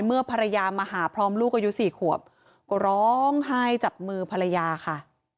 เมื่อภรรยามาหาพร้อมลูกอายุ๔ขวบก็ร้องไห้จับมือภรรยาค่ะ